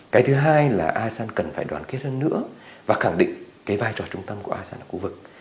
cái thứ hai là asean cần phải đoàn kết hơn nữa và khẳng định cái vai trò trung tâm của asean ở khu vực